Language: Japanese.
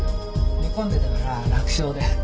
寝込んでたから楽勝で。